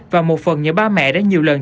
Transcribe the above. và một phần nhớ ba mẹ đã nhiều lần